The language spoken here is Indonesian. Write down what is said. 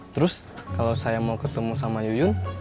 terus kalau saya mau ketemu sama yuyun